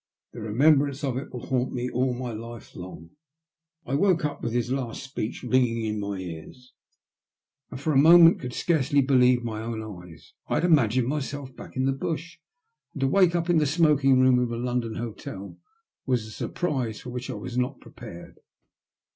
The remembrance of it will haunt me all my life long." I woke up with his last speech ringing in my ears, 80 THE LUST OF HATE. and for a moment could scarcely believe my own eyes. I had imagined myself back in the bash, and to wake up in the smoking room of a London hotel was a sur prise for which I was not prepared.